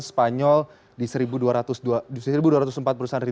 spanyol di seribu dua ratus empat puluh dua